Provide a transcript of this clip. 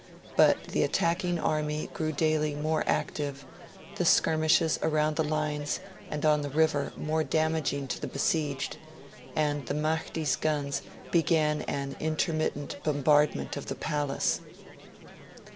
But the attacking army grew daily more active; the skirmishes around the lines and on the river more damaging to the besieged; and the Mahdi's guns began an intermittent bombardment of the palace.